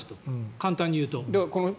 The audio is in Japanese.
簡単に言うと。